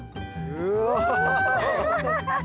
うわ！